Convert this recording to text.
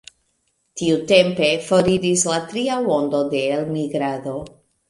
Tiutempe foriris la tria ondo de elmigrado.